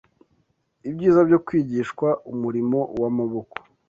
Ibyiza byo kwigishwa umurimo w’amaboko